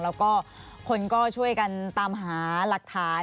แล้วก็คนก็ช่วยกันตามหาหลักฐาน